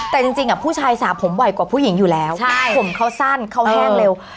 แต่จริงผู้ชายสาบผมบ่อยกว่าผู้หญิงอยู่แล้วผมเขาสั้นเขาแห้งเร็ว